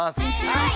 はい！